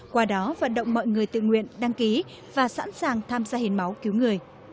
qua đó vận động mọi người tự nguyện đăng ký và sẵn sàng tham gia hiến máu cứu người